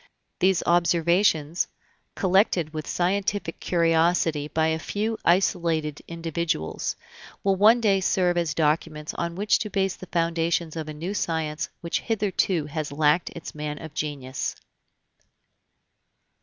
These observations, collected with scientific curiosity by a few isolated individuals, will one day serve as documents on which to base the foundations of a new science which hitherto has lacked its man of genius.